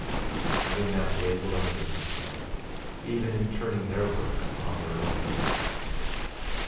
And in that day will I visit them, even in turning their works upon their own heads.